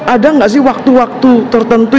ada nggak sih waktu waktu tertentu